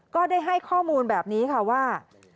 ก็ได้ให้ข้อมูลแบบนี้ค่ะว่า